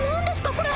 これ。